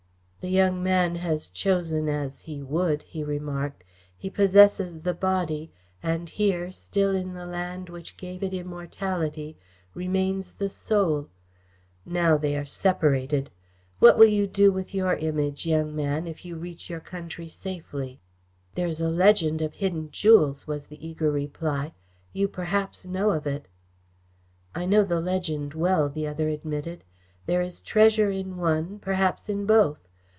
"The young man has chosen as he would," he remarked. "He possesses the Body, and here, still in the land which gave it immortality, remains the Soul. Now they are separated. What will you do with your Image, young man, if you reach your country safely?" "There is a legend of hidden jewels," was the eager reply. "You perhaps know of it." "I know the legend well," the other admitted. "There is treasure in one, perhaps in both.